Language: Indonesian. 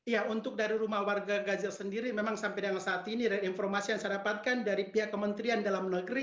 ya untuk dari rumah warga gaza sendiri memang sampai dengan saat ini informasi yang saya dapatkan dari pihak kementerian dalam negeri